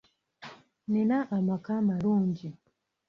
Nnina amaka amalungi.